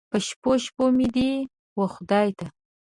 په شپو، شپو مې دې و خدای ته